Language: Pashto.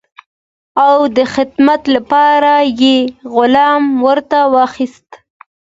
او د خدمت لپاره یې غلام ورته واخیست.